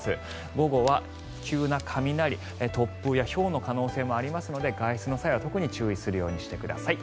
午後は急な雷、突風やひょうの可能性もありますので外出の際は特に注意するようにしてください。